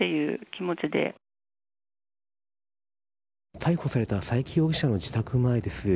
逮捕された佐伯容疑者の自宅前です。